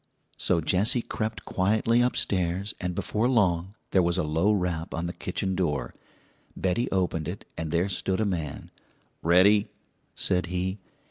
So Jessie crept quietly upstairs, and before long there was a low rap on the kitchen door. Betty opened it, and there stood a man. "Ready?" said he.